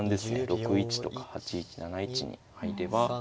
６一とか８一７一に入れば。